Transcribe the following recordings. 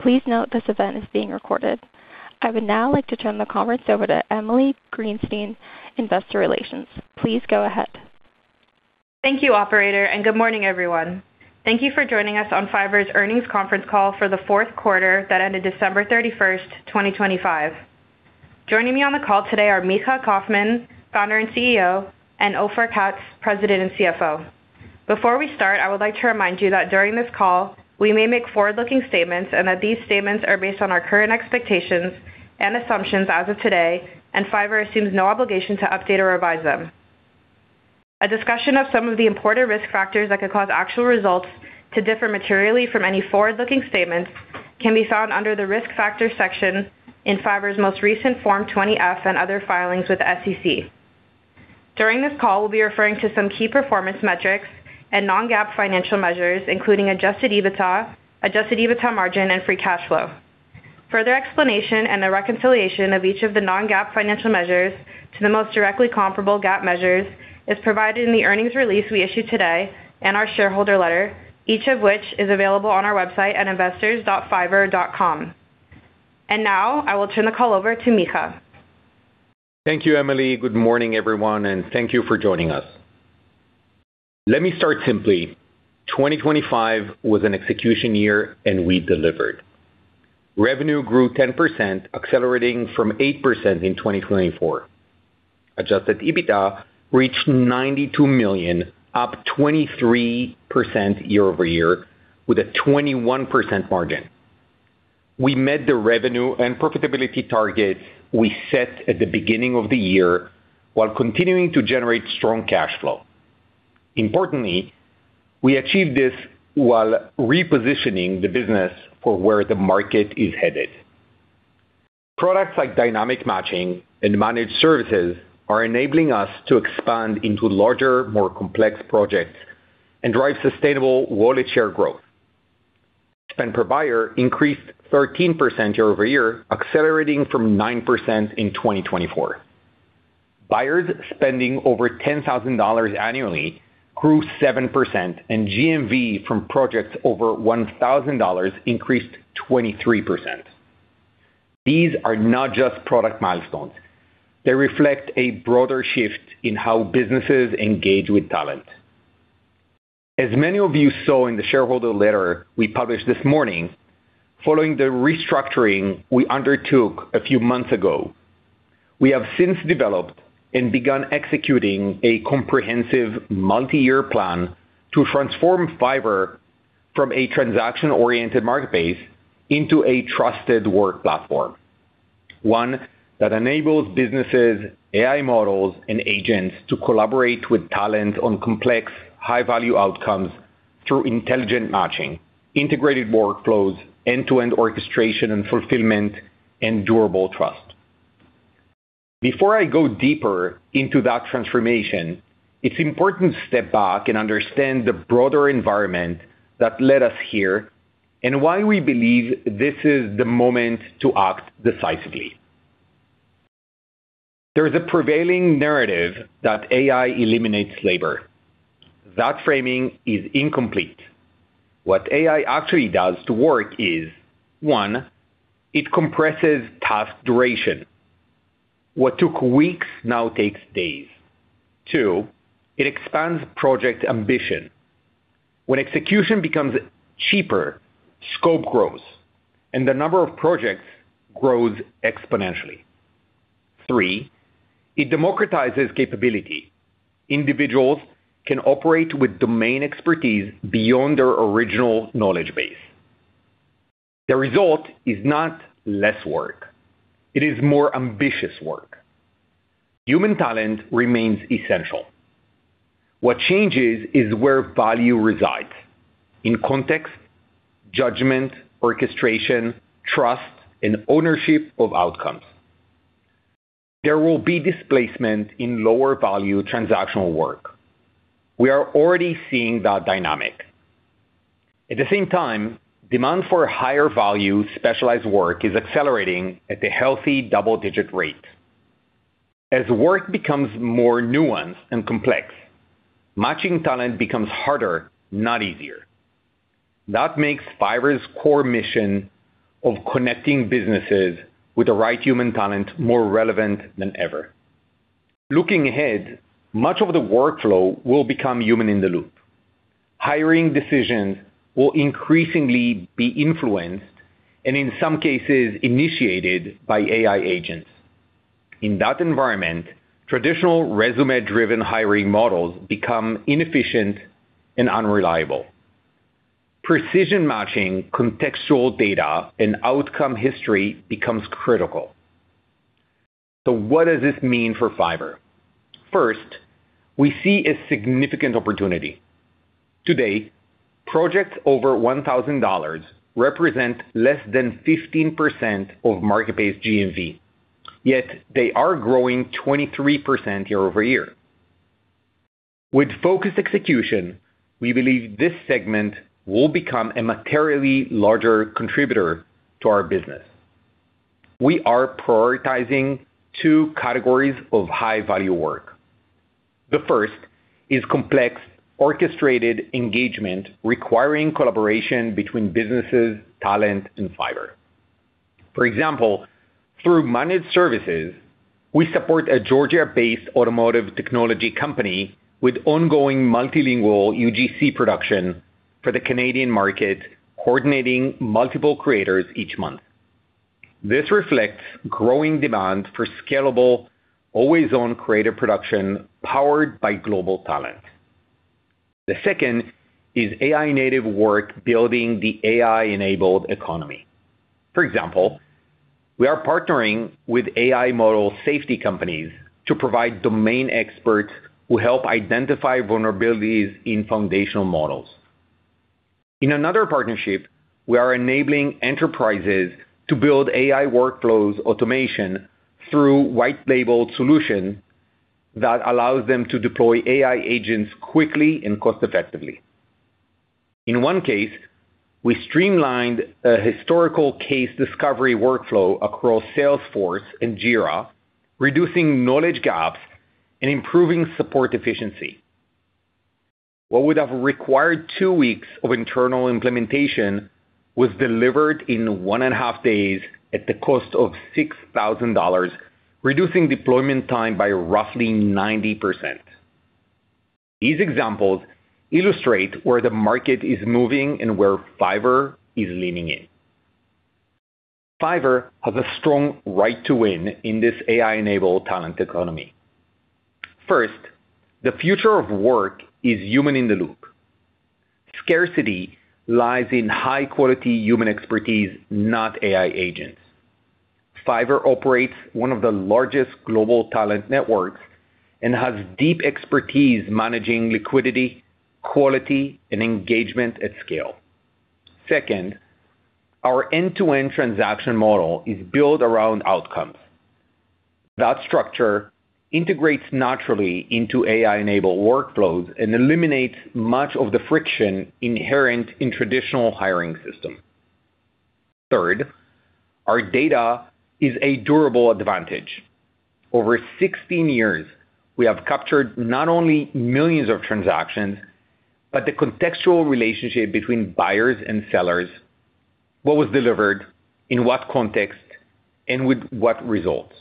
``Please note this event is being recorded. I would now like to turn the Conference over to Mali Greenstein, Investor Relations. Please go ahead. Thank you, operator, and good morning, everyone. Thank you for joining us on Fiverr's Earnings Conference Call for the Fourth Quarter that ended December 31, 2025. Joining me on the call today are Micha Kaufman, Founder and CEO, and Ofer Katz, President and CFO. Before we start, I would like to remind you that during this call, we may make forward-looking statements and that these statements are based on our current expectations and assumptions as of today, and Fiverr assumes no obligation to update or revise them. A discussion of some of the important risk factors that could cause actual results to differ materially from any forward-looking statements can be found under the Risk Factors section in Fiverr's most recent Form 20-F and other filings with the SEC. During this call, we'll be referring to some key performance metrics and non-GAAP financial measures, including Adjusted EBITDA, Adjusted EBITDA margin, and Free Cash Flow. Further explanation and a reconciliation of each of the non-GAAP financial measures to the most directly comparable GAAP measures is provided in the earnings release we issued today and our shareholder letter, each of which is available on our website at investors.fiverr.com. Now I will turn the call over to Micha. Thank you, Emily. Good morning, everyone, and thank you for joining us. Let me start simply. 2025 was an execution year, and we delivered. Revenue grew 10%, accelerating from 8% in 2024. Adjusted EBITDA reached $92 million, up 23% year-over-year, with a 21% margin. We met the revenue and profitability targets we set at the beginning of the year, while continuing to generate strong cash flow. Importantly, we achieved this while repositioning the business for where the market is headed. Products like Dynamic Matching and Managed Services are enabling us to expand into larger, more complex projects and drive sustainable wallet share growth. Spend per buyer increased 13% year-over-year, accelerating from 9% in 2024. Buyers spending over $10,000 annually grew 7%, and GMV from projects over $1,000 increased 23%. These are not just product milestones. They reflect a broader shift in how businesses engage with talent. As many of you saw in the shareholder letter we published this morning, following the restructuring we undertook a few months ago, we have since developed and begun executing a comprehensive multi-year plan to transform Fiverr from a transaction-oriented marketplace into a trusted work platform, one that enables businesses, AI models, and agents to collaborate with talent on complex, high-value outcomes through intelligent matching, integrated workflows, end-to-end orchestration and fulfillment, and durable trust. Before I go deeper into that transformation, it's important to step back and understand the broader environment that led us here and why we believe this is the moment to act decisively. There is a prevailing narrative that AI eliminates labor. That framing is incomplete. What AI actually does to work is, one, it compresses task duration. What took weeks now takes days. Two, it expands project ambition. When execution becomes cheaper, scope grows, and the number of projects grows exponentially. Three, it democratizes capability. Individuals can operate with domain expertise beyond their original knowledge base. The result is not less work. It is more ambitious work. Human talent remains essential. What changes is where value resides: in context, judgment, orchestration, trust, and ownership of outcomes. There will be displacement in lower-value transactional work. We are already seeing that dynamic. At the same time, demand for higher-value specialized work is accelerating at a healthy double-digit rate. As work becomes more nuanced and complex, matching talent becomes harder, not easier. That makes Fiverr's core mission of connecting businesses with the right human talent more relevant than ever. Looking ahead, much of the workflow will become human in the loop. Hiring decisions will increasingly be influenced and, in some cases, initiated by AI agents. In that environment, traditional resume-driven hiring models become inefficient and unreliable. Precision matching, contextual data, and outcome history becomes critical. So what does this mean for Fiverr? First, we see a significant opportunity. Today, projects over $1,000 represent less than 15% of marketplace GMV, yet they are growing 23% year-over-year. With focused execution, we believe this segment will become a materially larger contributor to our business. We are prioritizing two categories of high-value work.... The first is complex, orchestrated engagement requiring collaboration between businesses, talent, and Fiverr. For example, through Managed Services, we support a Georgia-based automotive technology company with ongoing multilingual UGC production for the Canadian market, coordinating multiple creators each month. This reflects growing demand for scalable, always-on creative production, powered by global talent. The second is AI native work, building the AI-enabled economy. For example, we are partnering with AI model safety companies to provide domain experts who help identify vulnerabilities in foundational models. In another partnership, we are enabling enterprises to build AI workflows automation through white label solution that allows them to deploy AI agents quickly and cost effectively. In one case, we streamlined a historical case discovery workflow across Salesforce and Jira, reducing knowledge gaps and improving support efficiency. What would have required two weeks of internal implementation was delivered in one and a half days at the cost of $6,000, reducing deployment time by roughly 90%. These examples illustrate where the market is moving and where Fiverr is leaning in. Fiverr has a strong right to win in this AI-enabled talent economy. First, the future of work is human in the loop. Scarcity lies in high-quality human expertise, not AI agents. Fiverr operates one of the largest global talent networks and has deep expertise managing liquidity, quality, and engagement at scale. Second, our end-to-end transaction model is built around outcomes. That structure integrates naturally into AI-enabled workflows and eliminates much of the friction inherent in traditional hiring system. Third, our data is a durable advantage. Over 16 years, we have captured not only millions of transactions, but the contextual relationship between buyers and sellers, what was delivered, in what context, and with what results.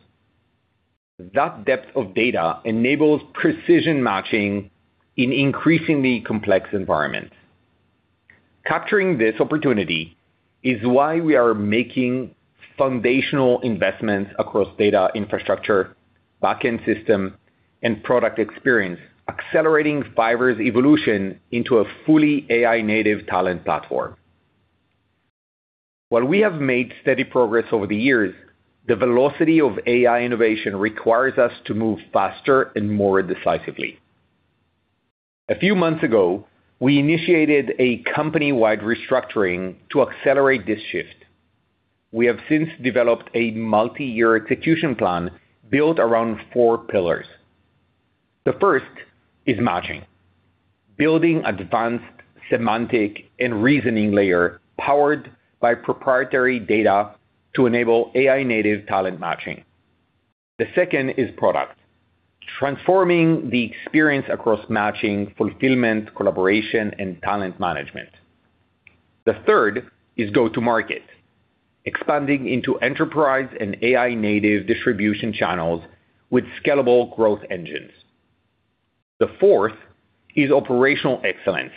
That depth of data enables precision matching in increasingly complex environments. Capturing this opportunity is why we are making foundational investments across data infrastructure, backend system, and product experience, accelerating Fiverr's evolution into a fully AI native talent platform. While we have made steady progress over the years, the velocity of AI innovation requires us to move faster and more decisively. A few months ago, we initiated a company-wide restructuring to accelerate this shift. We have since developed a multi-year execution plan built around four pillars. The first is matching, building advanced semantic and reasoning layer, powered by proprietary data to enable AI-native talent matching. The second is product, transforming the experience across matching, fulfillment, collaboration, and talent management. The third is go-to-market, expanding into enterprise and AI-native distribution channels with scalable growth engines. The fourth is operational excellence,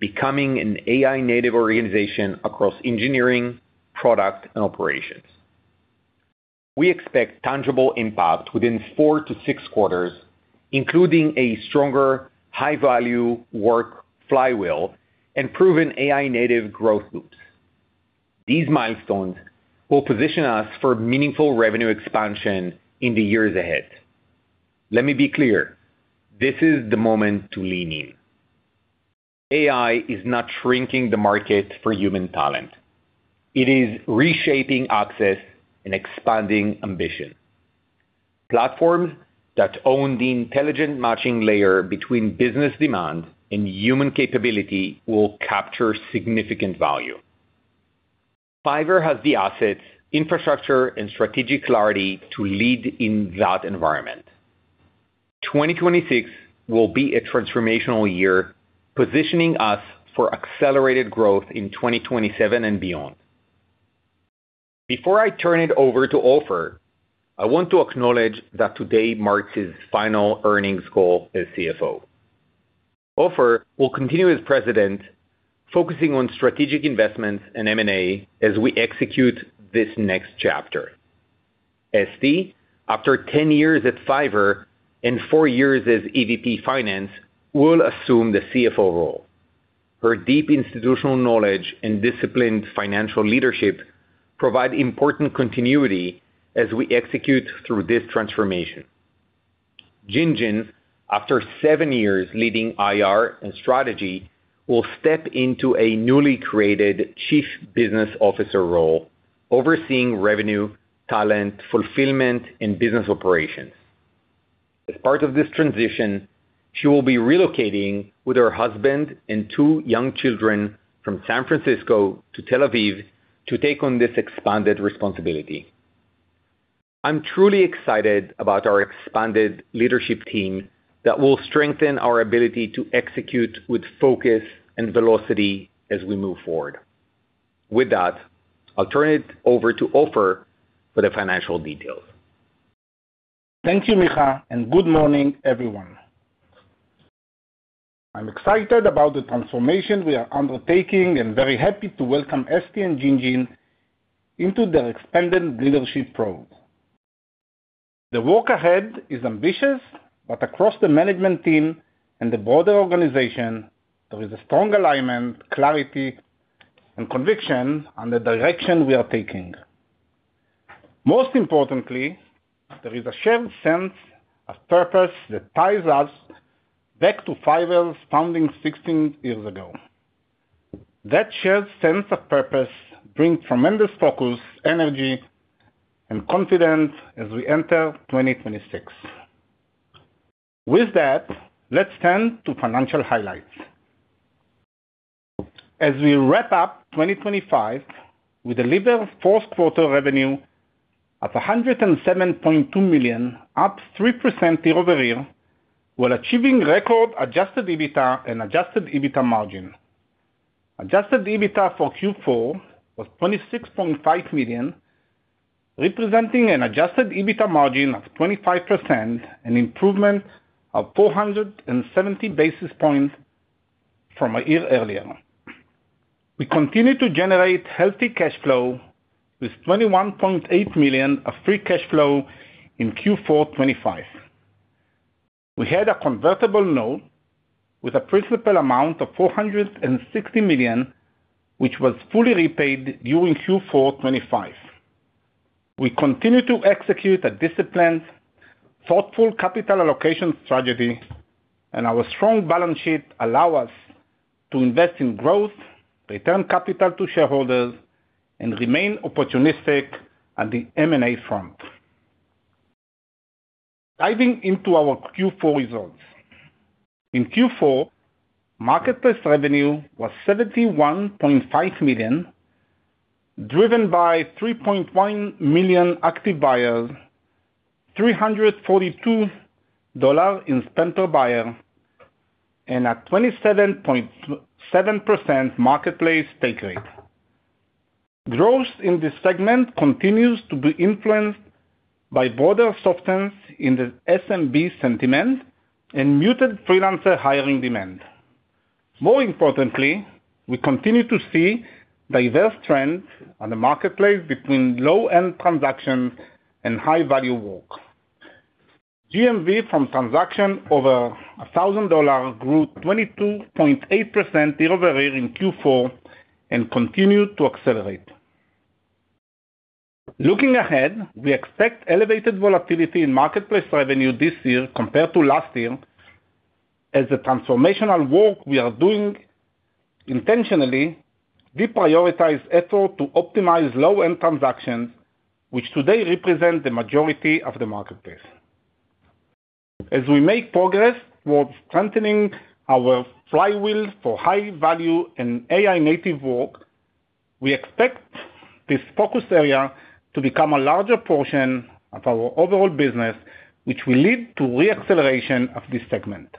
becoming an AI-native organization across engineering, product, and operations. We expect tangible impact within four to six quarters, including a stronger, high-value work flywheel and proven AI-native growth loops. These milestones will position us for meaningful revenue expansion in the years ahead. Let me be clear, this is the moment to lean in. AI is not shrinking the market for human talent. It is reshaping access and expanding ambition. Platforms that own the intelligent matching layer between business demand and human capability will capture significant value. Fiverr has the assets, infrastructure, and strategic clarity to lead in that environment. 2026 will be a transformational year, positioning us for accelerated growth in 2027 and beyond. Before I turn it over to Ofer, I want to acknowledge that today marks his final earnings call as CFO. Ofer will continue as President, focusing on strategic investments and M&A as we execute this next chapter. Esti, after 10 years at Fiverr and four years as EVP Finance, will assume the CFO role. Her deep institutional knowledge and disciplined financial leadership provide important continuity as we execute through this transformation. Jinjin, after seven years leading IR and strategy, will step into a newly created Chief Business Officer role, overseeing revenue, talent, fulfillment, and business operations. As part of this transition, she will be relocating with her husband and two young children from San Francisco to Tel Aviv to take on this expanded responsibility.... I'm truly excited about our expanded leadership team that will strengthen our ability to execute with focus and velocity as we move forward. With that, I'll turn it over to Ofer for the financial details. Thank you, Micha, and good morning, everyone. I'm excited about the transformation we are undertaking and very happy to welcome Esti and Jinjin into the expanded leadership role. The work ahead is ambitious, but across the management team and the broader organization, there is a strong alignment, clarity, and conviction on the direction we are taking. Most importantly, there is a shared sense of purpose that ties us back to Fiverr's founding 16 years ago. That shared sense of purpose brings tremendous focus, energy, and confidence as we enter 2026. With that, let's turn to financial highlights. As we wrap up 2025, we delivered fourth quarter revenue of $107.2 million, up 3% year-over-year, while achieving record Adjusted EBITDA and Adjusted EBITDA margin. Adjusted EBITDA for Q4 was $26.5 million, representing an Adjusted EBITDA margin of 25%, an improvement of 470 basis points from a year earlier. We continue to generate healthy cash flow, with $21.8 million of free cash flow in Q4 2025. We had a convertible note with a principal amount of $460 million, which was fully repaid during Q4 2025. We continue to execute a disciplined, thoughtful capital allocation strategy, and our strong balance sheet allow us to invest in growth, return capital to shareholders, and remain opportunistic on the M&A front. Diving into our Q4 results. In Q4, marketplace revenue was $71.5 million, driven by 3.1 million active buyers, $342 in spend per buyer, and a 27.7% marketplace take rate. Growth in this segment continues to be influenced by broader softness in the SMB sentiment and muted freelancer hiring demand. More importantly, we continue to see diverse trends on the marketplace between low-end transactions and high-value work. GMV from transactions over $1,000 grew 22.8% year-over-year in Q4 and continued to accelerate. Looking ahead, we expect elevated volatility in marketplace revenue this year compared to last year, as the transformational work we are doing intentionally deprioritize effort to optimize low-end transactions, which today represent the majority of the marketplace. As we make progress towards strengthening our flywheel for high value and AI-native work, we expect this focus area to become a larger portion of our overall business, which will lead to re-acceleration of this segment.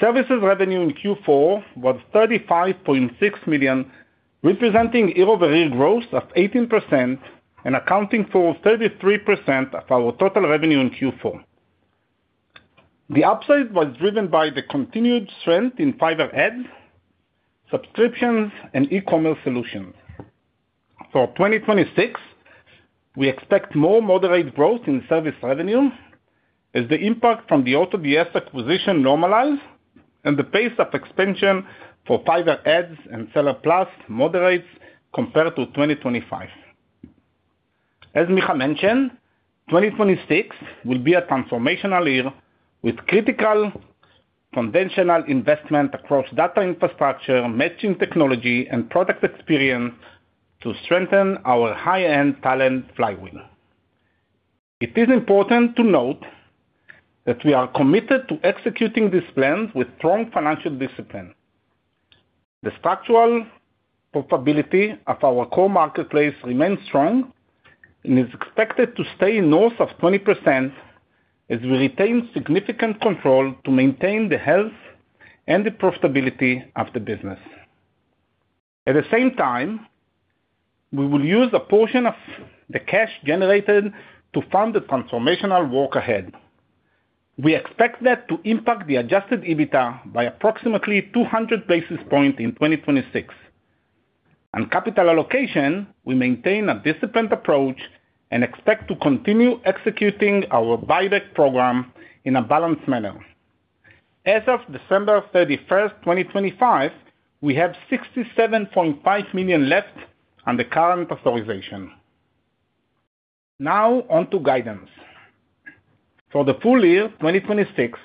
Services revenue in Q4 was $35.6 million, representing year-over-year growth of 18% and accounting for 33% of our total revenue in Q4. The upside was driven by the continued strength in Fiverr Ads, subscriptions, and e-commerce solutions. For 2026, we expect more moderate growth in service revenue as the impact from the AutoDS acquisition normalize and the pace of expansion for Fiverr Ads and Seller Plus moderates compared to 2025. As Micha mentioned, 2026 will be a transformational year with critical conventional investment across data infrastructure, matching technology, and product experience to strengthen our high-end talent flywheel. It is important to note that we are committed to executing this plan with strong financial discipline. The structural profitability of our core marketplace remains strong and is expected to stay north of 20% as we retain significant control to maintain the health and the profitability of the business. At the same time, we will use a portion of the cash generated to fund the transformational work ahead. We expect that to impact the Adjusted EBITDA by approximately 200 basis points in 2026. On capital allocation, we maintain a disciplined approach and expect to continue executing our buyback program in a balanced manner. As of December 31, 2025, we have $67.5 million left on the current authorization. Now on to guidance. For the full year 2026,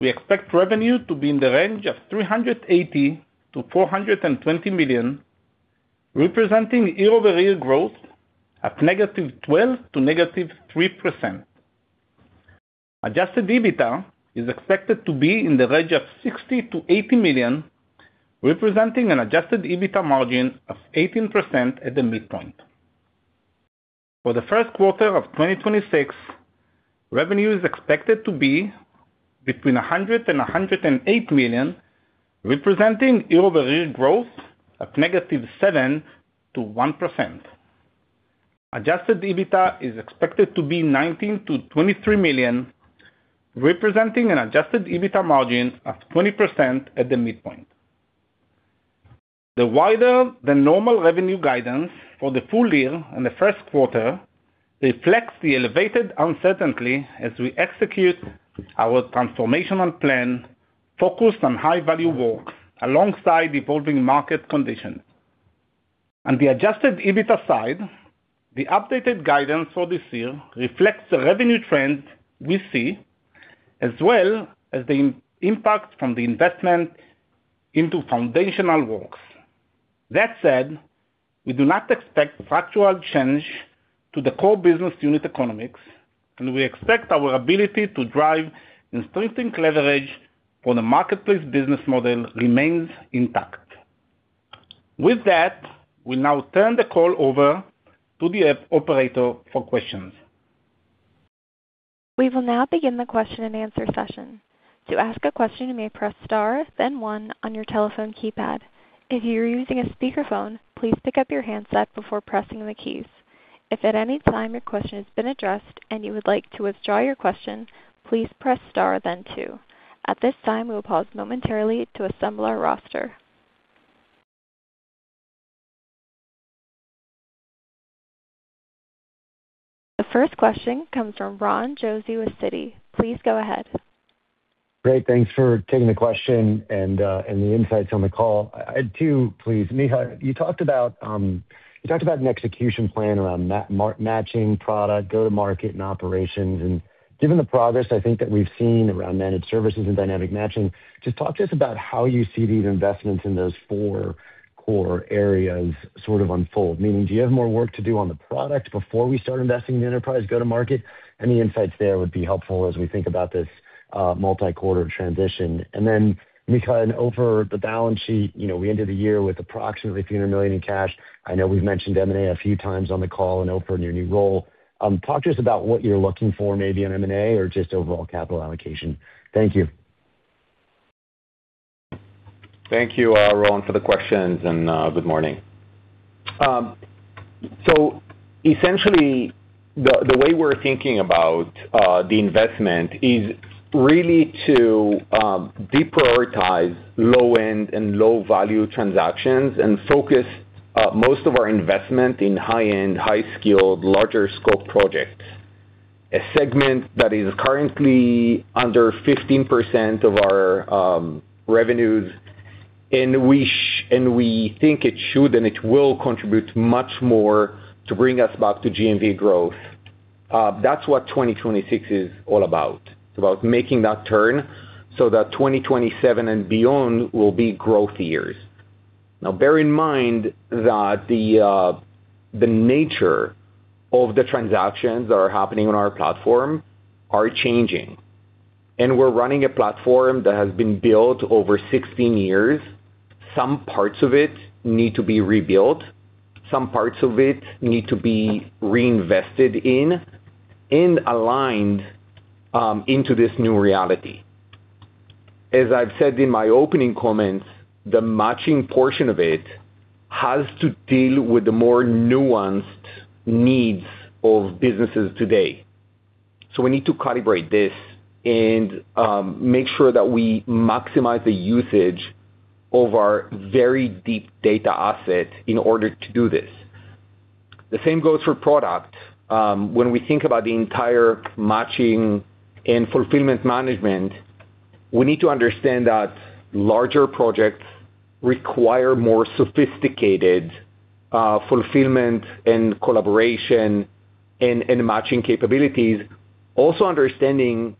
we expect revenue to be in the range of $380 million-$420 million, representing year-over-year growth at -12% to -3%. Adjusted EBITDA is expected to be in the range of $60 million-$80 million, representing an Adjusted EBITDA margin of 18% at the midpoint. For the first quarter of 2026, revenue is expected to be between $100 million and $108 million, representing year-over-year growth of -7%-1%. Adjusted EBITDA is expected to be $19 million-$23 million, representing an Adjusted EBITDA margin of 20% at the midpoint. The wider than normal revenue guidance for the full year and the first quarter reflects the elevated uncertainty as we execute our transformational plan, focused on high value work alongside evolving market conditions. On the Adjusted EBITDA side, the updated guidance for this year reflects the revenue trend we see, as well as the impact from the investment into foundational works. That said, we do not expect structural change to the core business unit economics, and we expect our ability to drive and strengthen leverage for the marketplace business model remains intact. With that, we'll now turn the call over to the operator for questions. We will now begin the question and answer session. To ask a question, you may press star then one on your telephone keypad. If you're using a speakerphone, please pick up your handset before pressing the keys. If at any time your question has been addressed and you would like to withdraw your question, please press star then two. At this time, we will pause momentarily to assemble our roster. The first question comes from Ron Josey with Citi. Please go ahead. Great. Thanks for taking the question and the insights on the call. I had two, please. Micha, you talked about an execution plan around matching product, go-to-market and operations, and given the progress, I think that we've seen around Managed Services and Dynamic Matching, just talk to us about how you see these investments in those four core areas sort of unfold. Meaning, do you have more work to do on the product before we start investing in enterprise go-to-market? Any insights there would be helpful as we think about this multi-quarter transition. And then, Micha, on the balance sheet, you know, we ended the year with approximately $300 million in cash. I know we've mentioned M&A a few times on the call and Ofer's new role. Talk to us about what you're looking for, maybe on M&A or just overall capital allocation. Thank you. Thank you, Ron, for the questions, and good morning. So essentially, the way we're thinking about the investment is really to deprioritize low-end and low-value transactions and focus most of our investment in high-end, high-skilled, larger scope projects. A segment that is currently under 15% of our revenues, and we think it should, and it will contribute much more to bring us back to GMV growth. That's what 2026 is all about. It's about making that turn so that 2027 and beyond will be growth years. Now, bear in mind that the nature of the transactions that are happening on our platform are changing, and we're running a platform that has been built over 16 years. Some parts of it need to be rebuilt, some parts of it need to be reinvested in and aligned into this new reality. As I've said in my opening comments, the matching portion of it has to deal with the more nuanced needs of businesses today. So we need to calibrate this and make sure that we maximize the usage of our very deep data assets in order to do this. The same goes for product. When we think about the entire matching and fulfillment management, we need to understand that larger projects require more sophisticated fulfillment and collaboration and matching capabilities. Also understanding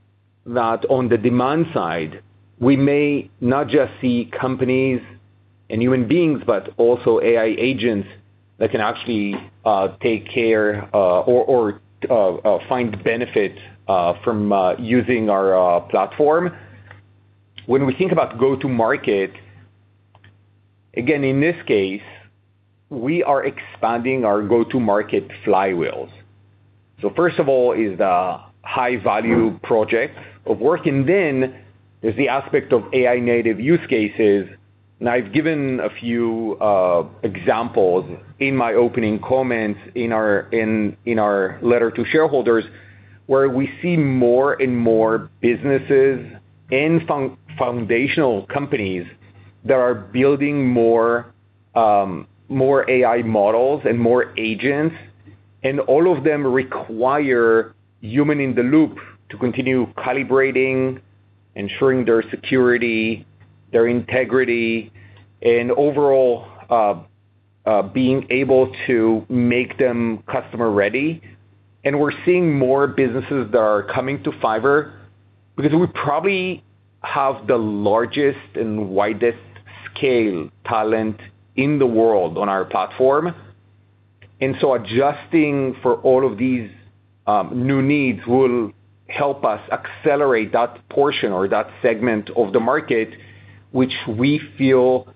that on the demand side, we may not just see companies and human beings, but also AI agents that can actually take care or find benefit from using our platform. When we think about go-to-market, again, in this case, we are expanding our go-to-market flywheels. So first of all is the high-value project of work, and then there's the aspect of AI-native use cases. And I've given a few examples in my opening comments in our letter to shareholders, where we see more and more businesses and foundational companies that are building more AI models and more agents, and all of them require human in the loop to continue calibrating, ensuring their security, their integrity, and overall, being able to make them customer ready. And we're seeing more businesses that are coming to Fiverr because we probably have the largest and widest scale talent in the world on our platform.... Adjusting for all of these new needs will help us accelerate that portion or that segment of the market, which we feel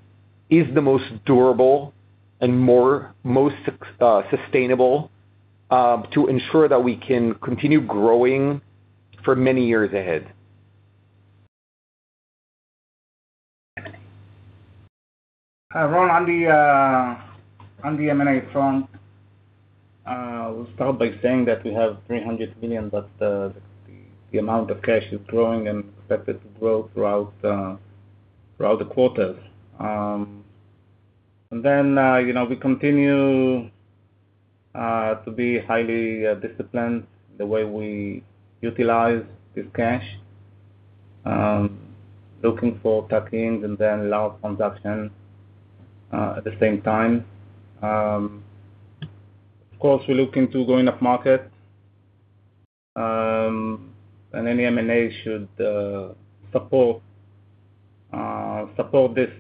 is the most durable and most sustainable, to ensure that we can continue growing for many years ahead. Hi, Ron, on the M&A front, we'll start by saying that we have $300 million, but the amount of cash is growing and expected to grow throughout the quarters. And then, you know, we continue to be highly disciplined the way we utilize this cash, looking for tuck-ins and then large transactions at the same time. Of course, we look into growing upmarket, and any M&A should support this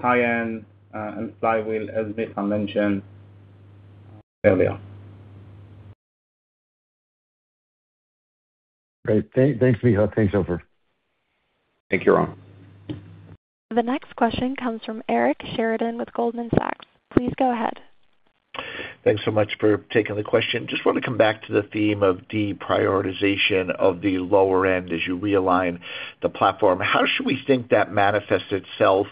high-end and flywheel, as Micha mentioned earlier. Great. Thanks, Micha. Thanks, Ofer. Thank you, Ron. The next question comes from Eric Sheridan with Goldman Sachs. Please go ahead. Thanks so much for taking the question. Just want to come back to the theme of deprioritization of the lower end as you realign the platform. How should we think that manifests itself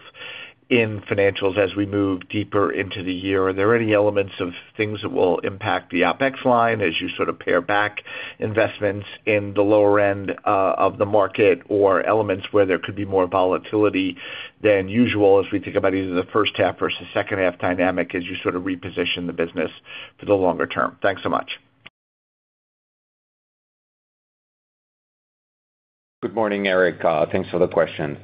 in financials as we move deeper into the year? Are there any elements of things that will impact the OpEx line as you sort of pare back investments in the lower end, of the market, or elements where there could be more volatility than usual as we think about either the first half versus second half dynamic, as you sort of reposition the business for the longer term? Thanks so much. Good morning, Eric. Thanks for the question.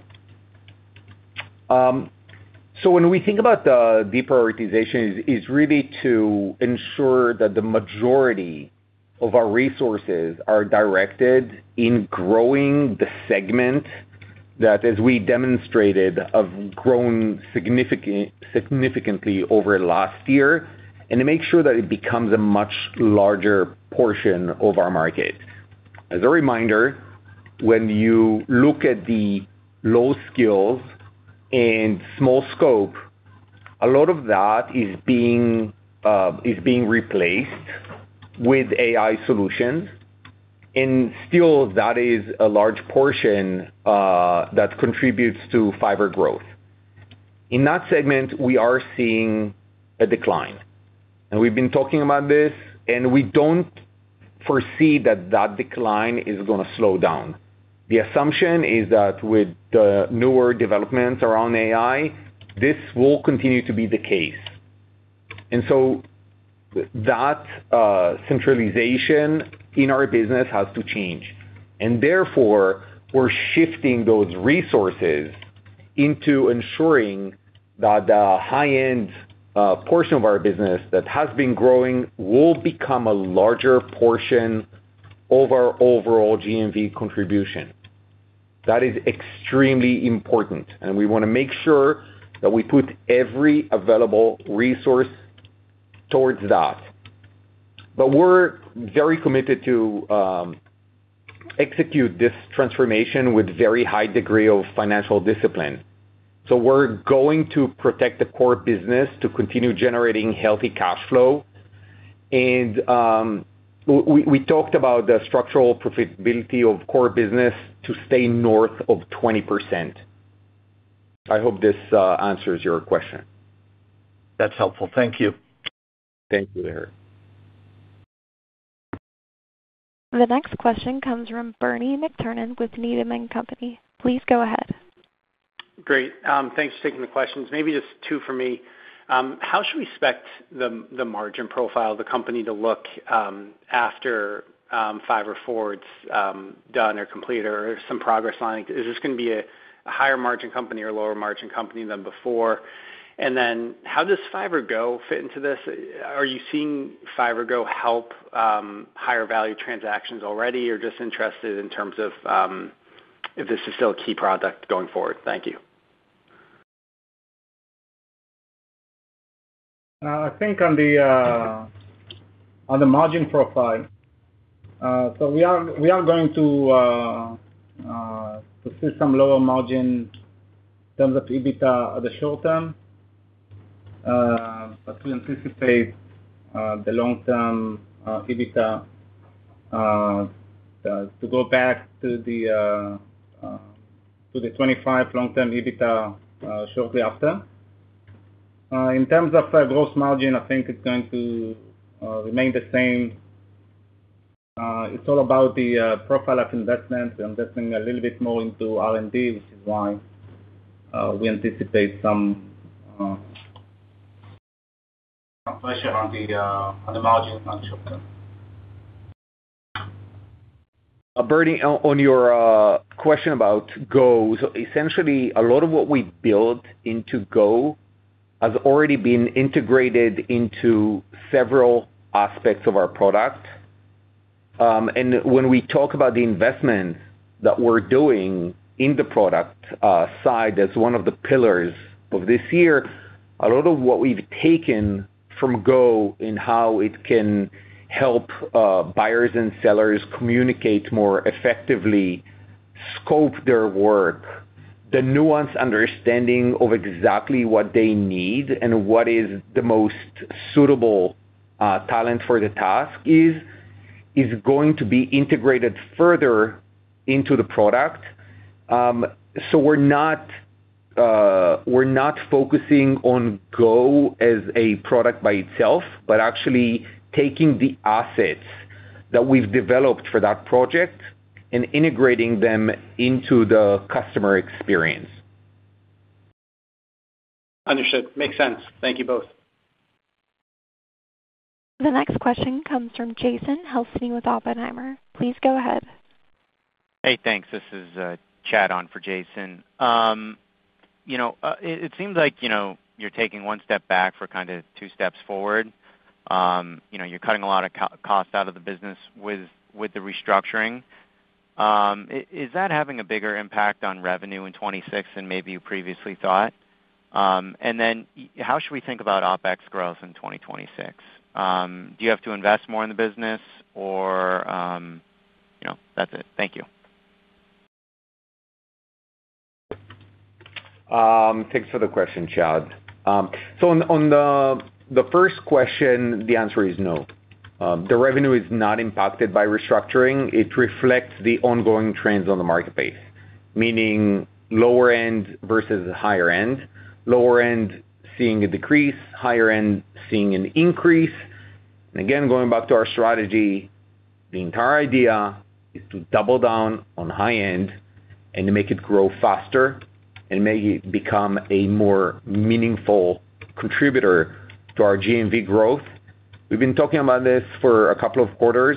So when we think about the deprioritization, is really to ensure that the majority of our resources are directed in growing the segment, that, as we demonstrated, have grown significantly over last year, and to make sure that it becomes a much larger portion of our market. As a reminder, when you look at the low skills and small scope, a lot of that is being replaced with AI solutions, and still that is a large portion that contributes to Fiverr growth. In that segment, we are seeing a decline, and we've been talking about this, and we don't foresee that that decline is gonna slow down. The assumption is that with the newer developments around AI, this will continue to be the case. And so that centralization in our business has to change. And therefore, we're shifting those resources into ensuring that the high-end portion of our business that has been growing will become a larger portion of our overall GMV contribution. That is extremely important, and we want to make sure that we put every available resource towards that. But we're very committed to execute this transformation with very high degree of financial discipline. So we're going to protect the core business to continue generating healthy cash flow. And we talked about the structural profitability of core business to stay north of 20%. I hope this answers your question. That's helpful. Thank you. Thank you, Eric. The next question comes from Bernie McTernan with Needham and Company. Please go ahead. Great. Thanks for taking the questions. Maybe just two for me. How should we expect the margin profile of the company to look after Fiverr's four pillars done or complete or some progress line? Is this gonna be a higher margin company or lower margin company than before? How does Fiverr Go fit into this? Are you seeing Fiverr Go help higher value transactions already, or just interested in terms of if this is still a key product going forward? Thank you. I think on the margin profile, we are going to see some lower margin in terms of EBITDA in the short term. We anticipate the long-term EBITDA to go back to the 25 long-term EBITDA shortly after. In terms of our gross margin, I think it's going to remain the same. It's all about the profile of investments and investing a little bit more into R&D, which is why we anticipate some pressure on the margins on short term. Bernie, on your question about Go. So essentially, a lot of what we built into Go has already been integrated into several aspects of our product. And when we talk about the investment that we're doing in the product side, as one of the pillars of this year, a lot of what we've taken from Go and how it can help buyers and sellers communicate more effectively, scope their work, the nuanced understanding of exactly what they need and what is the most suitable talent for the task is going to be integrated further into the product. So we're not focusing on Go as a product by itself, but actually taking the assets that we've developed for that project and integrating them into the customer experience. Understood. Makes sense. Thank you both. The next question comes from Jason Helfstein with Oppenheimer. Please go ahead. Hey, thanks. This is Chad on for Jason. You know, it seems like you're taking one step back for kind of two steps forward. You know, you're cutting a lot of cost out of the business with the restructuring. Is that having a bigger impact on revenue in 2026 than maybe you previously thought? And then how should we think about OpEx growth in 2026? Do you have to invest more in the business or, you know, that's it. Thank you. Thanks for the question, Chad. So on the first question, the answer is no. The revenue is not impacted by restructuring. It reflects the ongoing trends on the marketplace, meaning lower end versus higher end. Lower end, seeing a decrease, higher end, seeing an increase. And again, going back to our strategy, the entire idea is to double down on high end and to make it grow faster and make it become a more meaningful contributor to our GMV growth. We've been talking about this for a couple of quarters.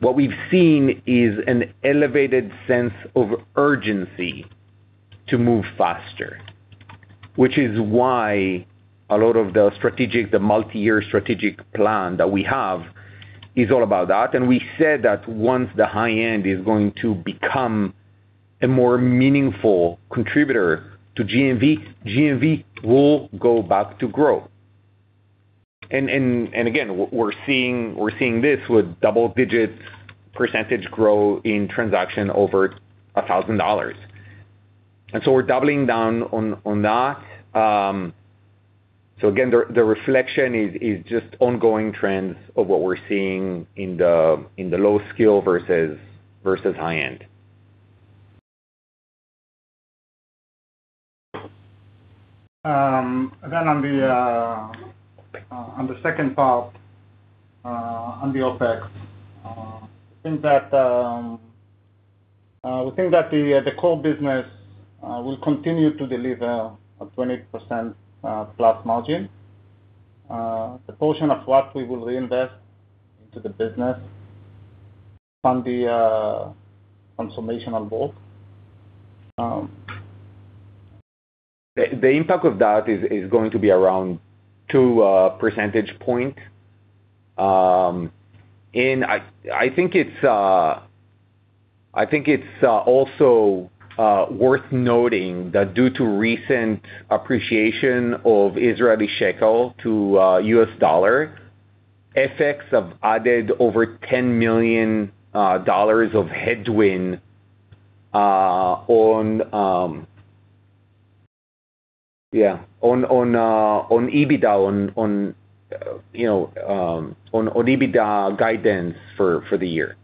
What we've seen is an elevated sense of urgency to move faster, which is why a lot of the strategic, the multi-year strategic plan that we have is all about that. And we said that once the high end is going to become a more meaningful contributor to GMV, GMV will go back to grow. And again, we're seeing this with double-digit % growth in transactions over $1,000. So we're doubling down on that. So again, the reflection is just ongoing trends of what we're seeing in the low skill versus high end. Then on the second part, on the OpEx, I think that we think that the core business will continue to deliver a 20% plus margin. The portion of what we will reinvest into the business on the transformation on both, The impact of that is going to be around two percentage point. And I think it's also worth noting that due to recent appreciation of Israeli shekel to US dollar, effects have added over $10 million of headwind on EBITDA, on EBITDA guidance for the year.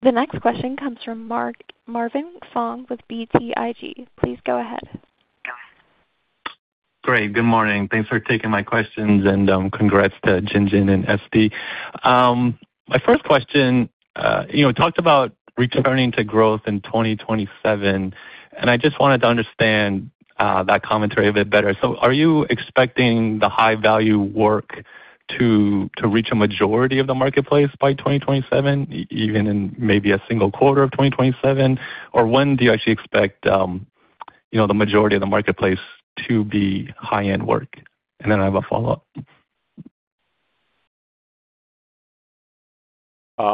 The next question comes from Marvin Fong with BTIG. Please go ahead. Great. Good morning. Thanks for taking my questions, and congrats to Jinjin and Esti. My first question, you know, talked about returning to growth in 2027, and I just wanted to understand, you know, that commentary a bit better. Are you expecting the high value work to reach a majority of the marketplace by 2027, even in maybe a single quarter of 2027? When do you actually expect, you know, the majority of the marketplace to be high-end work? I have a follow-up.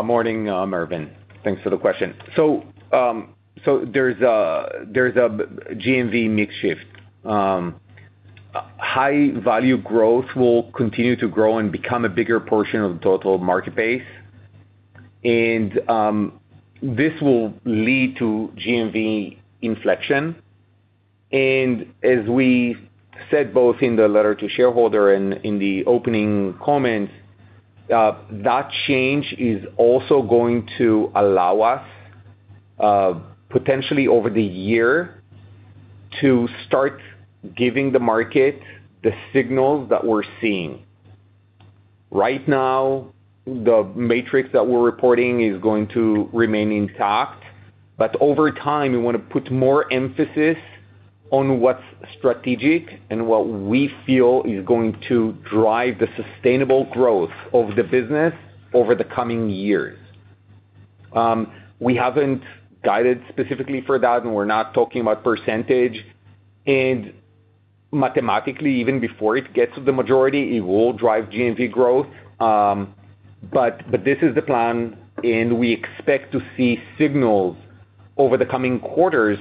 Morning, Marvin. Thanks for the question. So, there's a GMV mix shift. High value growth will continue to grow and become a bigger portion of the total market base, and this will lead to GMV inflection. As we said, both in the letter to shareholder and in the opening comments, that change is also going to allow us, potentially over the year, to start giving the market the signals that we're seeing. Right now, the metrics that we're reporting is going to remain intact, but over time, we want to put more emphasis on what's strategic and what we feel is going to drive the sustainable growth of the business over the coming years. We haven't guided specifically for that, and we're not talking about percentage. Mathematically, even before it gets to the majority, it will drive GMV growth. But, but this is the plan, and we expect to see signals over the coming quarters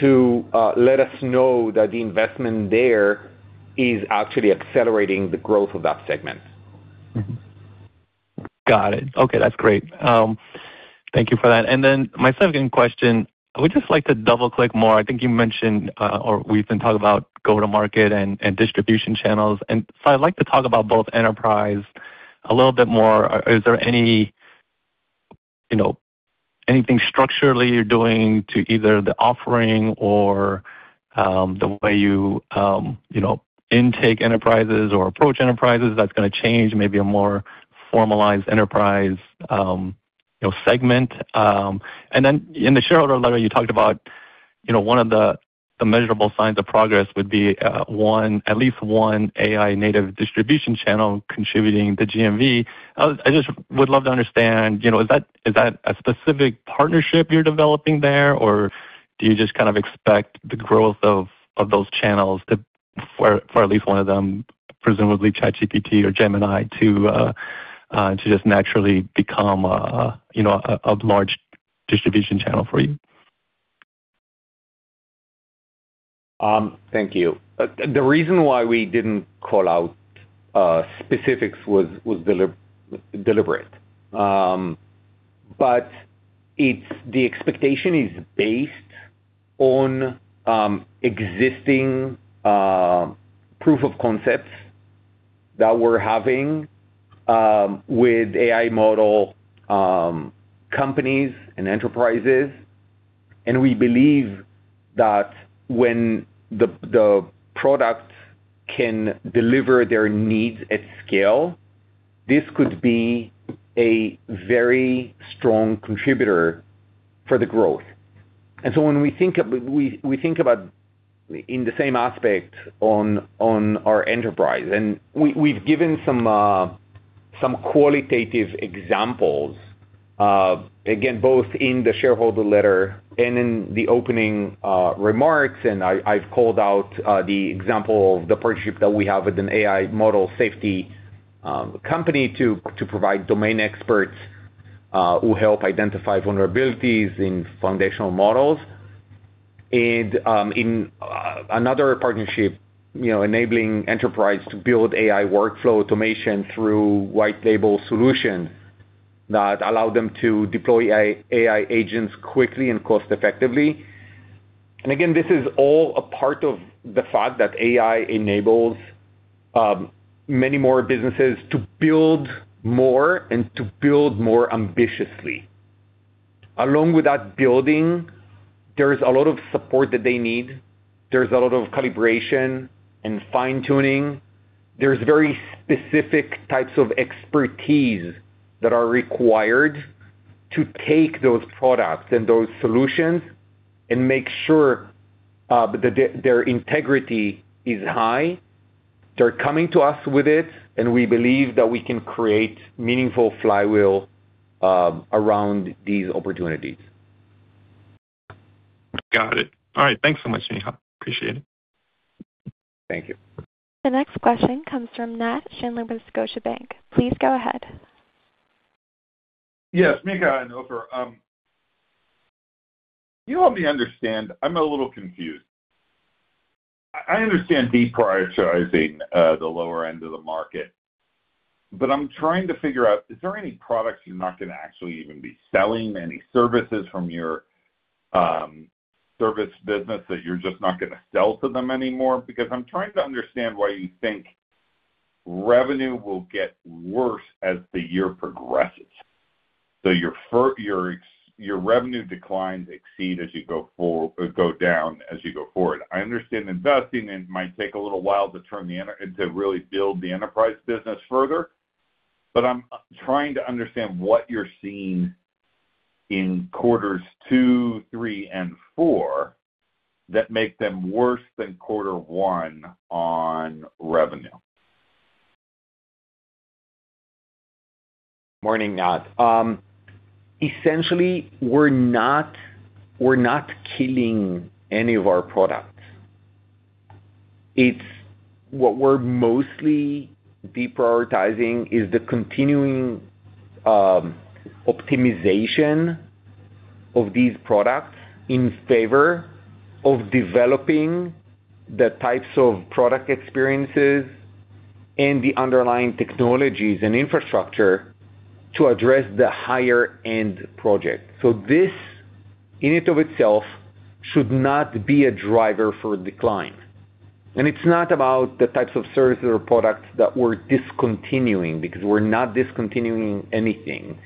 to let us know that the investment there is actually accelerating the growth of that segment. Got it. Okay, that's great. Thank you for that. And then my second question: I would just like to double-click more. I think you mentioned or we've been talking about go-to-market and distribution channels. And so I'd like to talk about both enterprise a little bit more. Is there any, you know, anything structurally you're doing to either the offering or the way you, you know, intake enterprises or approach enterprises that's gonna change, maybe a more formalized enterprise, you know, segment? And then in the shareholder letter, you talked about, you know, one of the measurable signs of progress would be one, at least one AI-native distribution channel contributing to GMV. I just would love to understand, you know, is that a specific partnership you're developing there? Or do you just kind of expect the growth of those channels to, for at least one of them, presumably ChatGPT or Gemini, to just naturally become a, you know, a large distribution channel for you? Thank you. The reason why we didn't call out specifics was deliberate. But it's, the expectation is based on existing proof of concepts that we're having with AI model companies and enterprises. And we believe that when the product can deliver their needs at scale, this could be a very strong contributor for the growth. And so when we think of, we think about in the same aspect on our enterprise, and we've given some qualitative examples again, both in the shareholder letter and in the opening remarks. And I've called out the example of the partnership that we have with an AI model safety company to provide domain experts who help identify vulnerabilities in foundational models. In another partnership, you know, enabling enterprise to build AI workflow automation through white label solution that allow them to deploy AI, AI agents quickly and cost effectively. And again, this is all a part of the fact that AI enables many more businesses to build more and to build more ambitiously. Along with that building, there's a lot of support that they need. There's a lot of calibration and fine-tuning. There's very specific types of expertise that are required to take those products and those solutions and make sure that their integrity is high. They're coming to us with it, and we believe that we can create meaningful flywheel around these opportunities. Got it. All right. Thanks so much, Micha. Appreciate it. Thank you. The next question comes from Nat Schindler with Scotiabank. Please go ahead. Yes, Micha and Ofer, you help me understand. I'm a little confused. I understand deprioritizing the lower end of the market, but I'm trying to figure out, is there any products you're not gonna actually even be selling, any services from your service business that you're just not gonna sell to them anymore? Because I'm trying to understand why you think revenue will get worse as the year progresses. Your revenue declines exceed as you go forward, go down as you go forward. I understand investing, it might take a little while to turn the enter-- to really build the enterprise business further, but I'm trying to understand what you're seeing in quarters two, three, and four that make them worse than quarter one on revenue. Morning, Nat. Essentially, we're not, we're not killing any of our products. It's what we're mostly deprioritizing is the continuing optimization of these products in favor of developing the types of product experiences and the underlying technologies and infrastructure to address the higher-end project. So this, in and of itself, should not be a driver for decline. And it's not about the types of services or products that we're discontinuing, because we're not discontinuing anything.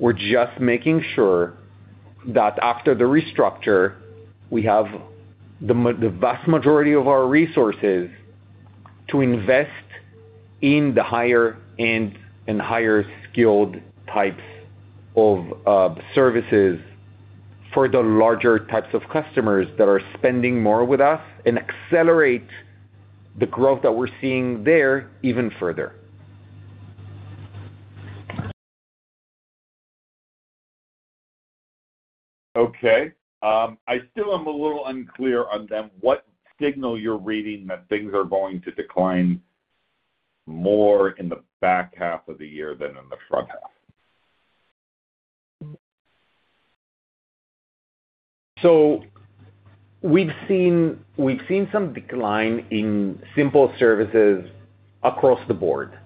We're just making sure that after the restructure, we have the vast majority of our resources to invest in the higher end and higher skilled types of services for the larger types of customers that are spending more with us and accelerate the growth that we're seeing there even further. Okay. I still am a little unclear on then, what signal you're reading, that things are going to decline more in the back half of the year than in the front half? We've seen some decline in simple services across the board.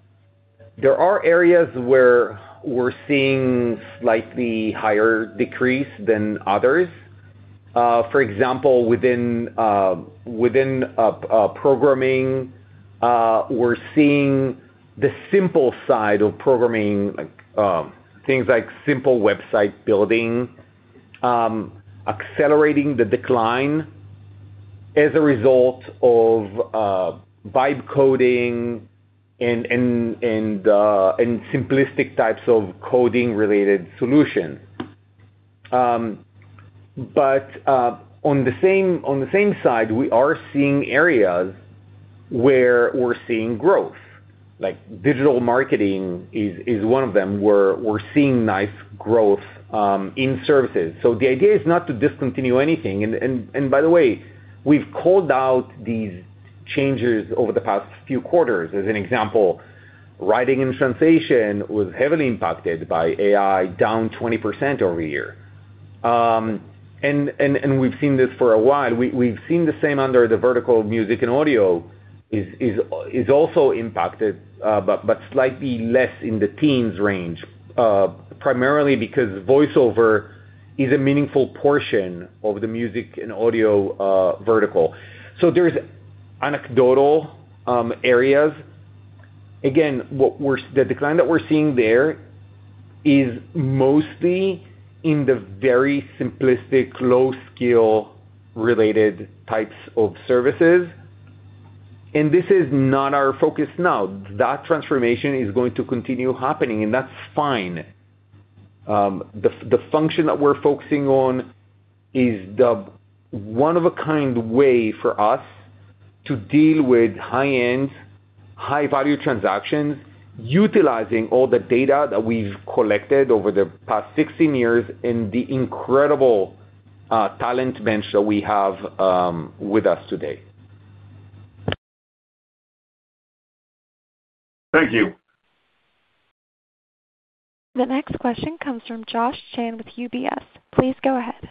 There are areas where we're seeing slightly higher decrease than others. For example, within programming, we're seeing the simple side of programming, like things like simple website building, accelerating the decline as a result of, you know, vibe coding and simplistic types of coding-related solutions. On the same side, we are seeing areas where we're seeing growth, like digital marketing is one of them, where we're seeing nice growth in services. The idea is not to discontinue anything. By the way, we've called out these changes over the past few quarters. As an example, Writing and Translation was heavily impacted by AI, down 20% over a year. And we've seen this for a while. We've seen the same under the vertical music and audio is also impacted, but slightly less in the teens range, primarily because voice-over is a meaningful portion of the music and audio vertical. So there's anecdotal areas. Again, the decline that we're seeing there is mostly in the very simplistic, low-skill related types of services, and this is not our focus now. That transformation is going to continue happening, and that's fine. The function that we're focusing on is the one-of-a-kind way for us to deal with high-end, high-value transactions, utilizing all the data that we've collected over the past 16 years and the incredible talent bench that we have with us today. Thank you. The next question comes from Josh Chan with UBS. Please go ahead.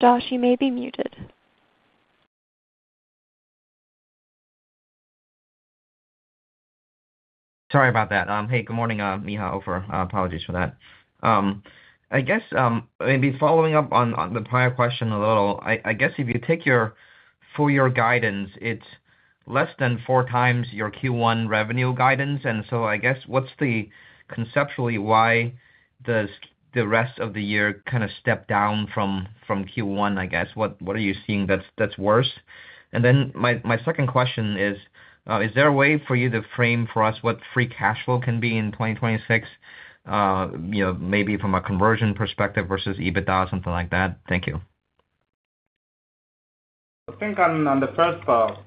Josh, you may be muted. Sorry about that. Hey, good morning, Micha, Ofer. Apologies for that. I guess, maybe following up on the prior question a little, I guess if you take your full year guidance, it's less than 4 times your Q1 revenue guidance. I guess, what's the conceptually, why does the rest of the year kind of step down from Q1, I guess? What are you seeing that's worse? My second question is, is there a way for you to frame for us what free cash flow can be in 2026, you know, maybe from a conversion perspective versus EBITDA, something like that? Thank you. I think on the first part,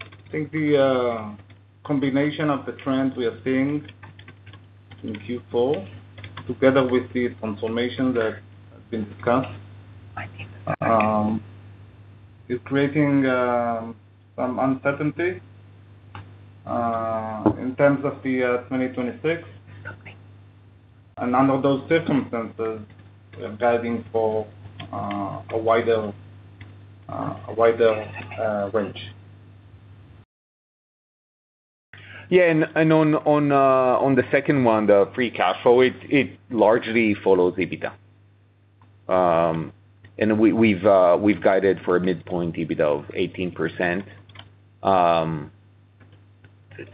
I think the combination of the trends we are seeing in Q4, together with the confirmation that has been discussed, is creating some uncertainty in terms of the 2026. And under those circumstances, we're guiding for a wider range. Yeah, and on the second one, the free cash flow, it largely follows EBITDA. And we've guided for a midpoint EBITDA of 18%,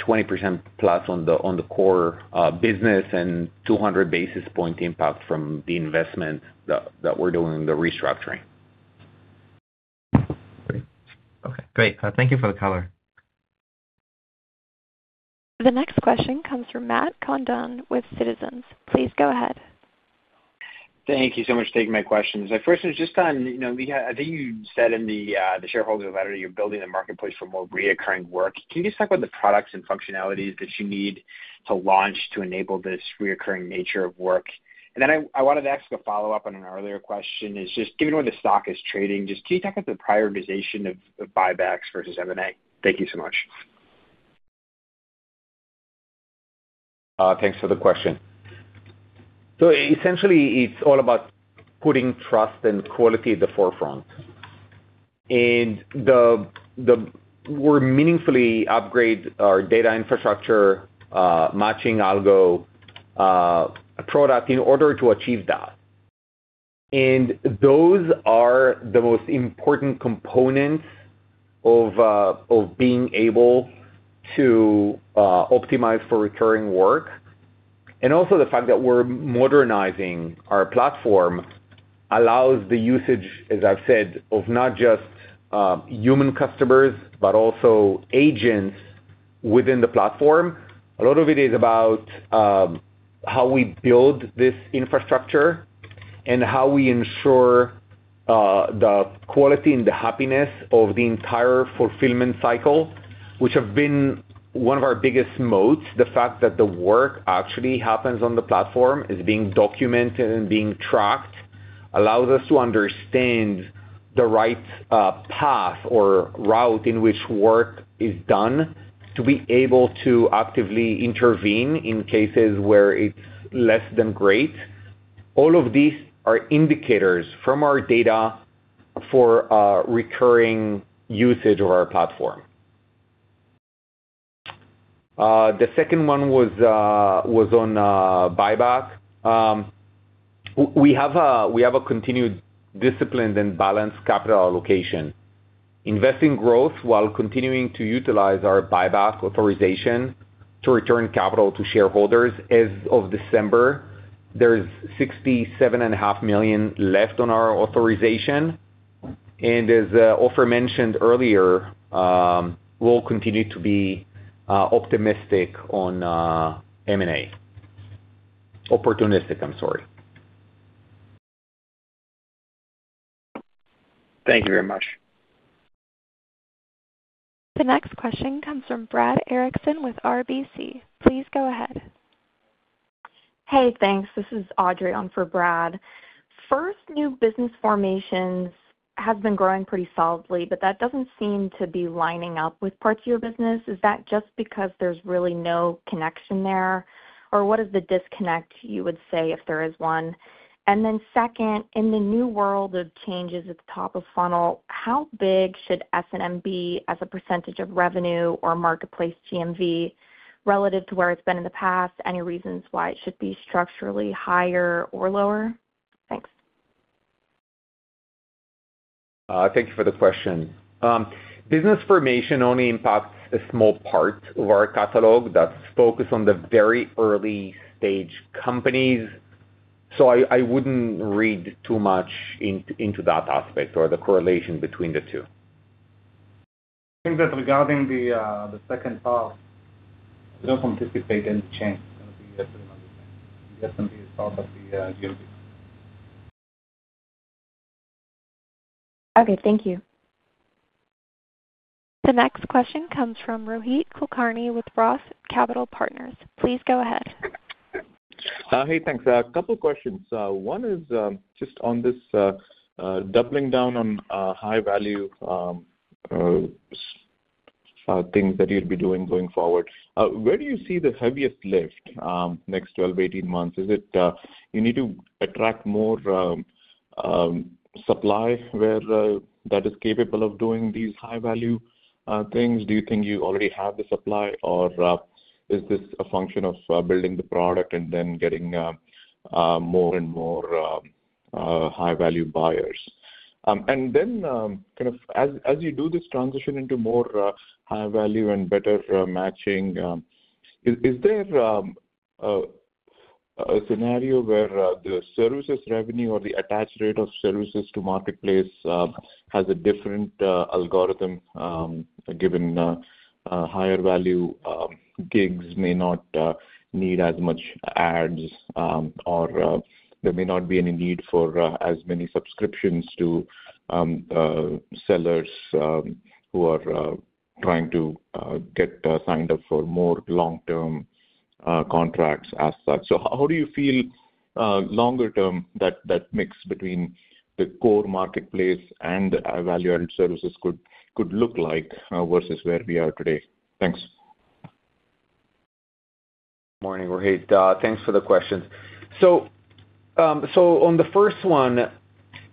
20%+ on the core business, and 200 basis points impact from the investment that we're doing, the restructuring. Great. Okay, great. Thank you for the color. The next question comes from Matt Condon with Citizens. Please go ahead. Thank you so much for taking my questions. My first is just on, you know, I think you said in the, the shareholder letter that you're building the marketplace for more reoccurring work. Can you just talk about the products and functionalities that you need to launch to enable this reoccurring nature of work? And then I, I wanted to ask a follow-up on an earlier question, is just given where the stock is trading, just can you talk about the prioritization of, of buybacks versus M&A? Thank you so much. Thanks for the question. So essentially, it's all about putting trust and quality at the forefront. And we meaningfully upgrade our data infrastructure, matching algo, product in order to achieve that. And those are the most important components of being able to optimize for recurring work. And also the fact that we're modernizing our platform allows the usage, as I've said, of not just human customers, but also agents within the platform. A lot of it is about how we build this infrastructure and how we ensure the quality and the happiness of the entire fulfillment cycle, which have been one of our biggest moats. The fact that the work actually happens on the platform, is being documented and being tracked, allows us to understand the right path or route in which work is done, to be able to actively intervene in cases where it's less than great. All of these are indicators from our data for recurring usage of our platform. The second one was on buyback. We have a continued disciplined and balanced capital allocation. Investing growth while continuing to utilize our buyback authorization to return capital to shareholders. As of December, there is $67.5 million left on our authorization, and as Ofer mentioned earlier, we'll continue to be optimistic on M&A. Opportunistic, I'm sorry. Thank you very much. The next question comes from Brad Erickson with RBC. Please go ahead. Hey, thanks. This is Audrey on for Brad. First, new business formations have been growing pretty solidly, but that doesn't seem to be lining up with parts of your business. Is that just because there's really no connection there? Or what is the disconnect, you would say, if there is one? And then second, in the new world of changes at the top of funnel, how big should S&M be as a percentage of revenue or marketplace GMV relative to where it's been in the past? Any reasons why it should be structurally higher or lower? Thanks. Thank you for the question. Business formation only impacts a small part of our catalog that's focused on the very early stage companies, so I wouldn't read too much into that aspect or the correlation between the two. I think that regarding the second part, we don't anticipate any change, gonna be S&M. S&M is part of the GMV. Okay, thank you. The next question comes from Rohit Kulkarni with Roth Capital Partners. Please go ahead. Hey, thanks. A couple questions. One is just on this doubling down on high value things that you'll be doing going forward. Where do you see the heaviest lift next 12-18 months? Is it you need to attract more supply where that is capable of doing these high value things? Do you think you already have the supply, or is this a function of building the product and then getting more and more high value buyers? And then, kind of as you do this transition into more high value and better matching, is there a scenario where the services revenue or the attached rate of services to marketplace has a different algorithm, given higher value gigs may not need as much ads, or there may not be any need for as many subscriptions to sellers who are trying to get signed up for more long-term contracts as such? So how do you feel longer term that mix between the core marketplace and value-added services could look like versus where we are today? Thanks. Morning, Rohit. Thanks for the question. So, on the first one,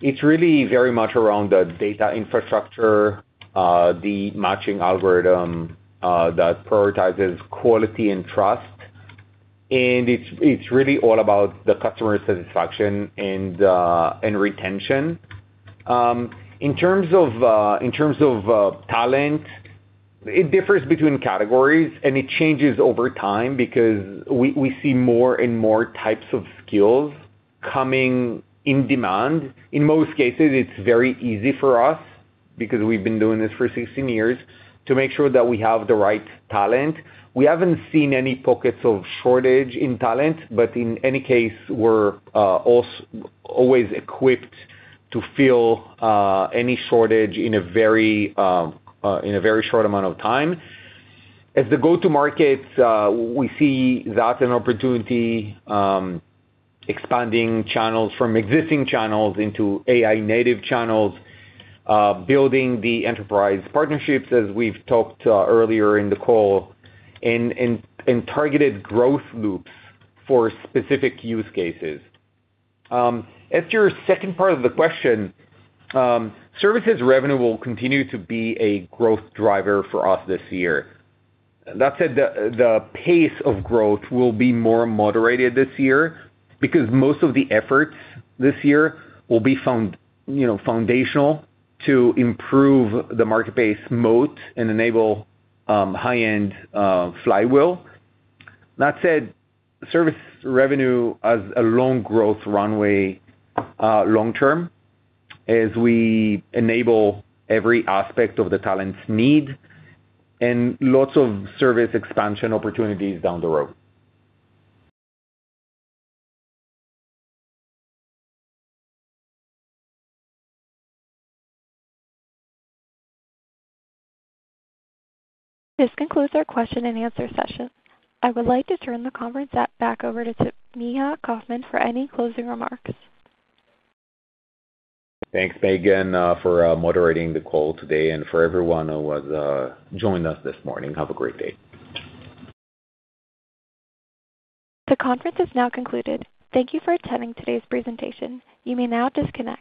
it's really very much around the data infrastructure, the matching algorithm, that prioritizes quality and trust, and it's really all about the customer satisfaction and retention. In terms of talent, it differs between categories, and it changes over time because we see more and more types of skills coming in demand. In most cases, it's very easy for us because we've been doing this for 16 years, to make sure that we have the right talent. We haven't seen any pockets of shortage in talent, but in any case, we're always equipped to fill any shortage in a very short amount of time. As the go-to markets, we see that an opportunity, expanding channels from existing channels into AI native channels, building the enterprise partnerships, as we've talked earlier in the call, and targeted growth loops for specific use cases. As to your second part of the question, services revenue will continue to be a growth driver for us this year. That said, the pace of growth will be more moderated this year because most of the efforts this year will be foundational, you know, to improve the marketplace moat and enable high-end flywheel. That said, service revenue has a long growth runway long term as we enable every aspect of the talent's need and lots of service expansion opportunities down the road. This concludes our question and answer session. I would like to turn the conference back over to Micha Kaufman for any closing remarks. Thanks, Megan, for moderating the call today and for everyone who joined us this morning. Have a great day. The conference is now concluded. Thank you for attending today's presentation. You may now disconnect.